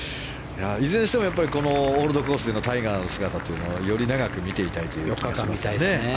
いずれにしてもこのオールドコースでのタイガーの姿をより長く見ていたいという気もしますね。